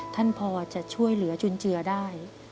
ท่านพอจะช่วยเหลือจุนเจือได้